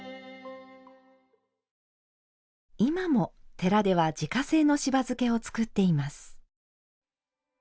今も寺では、自家製のしば漬けを作っています。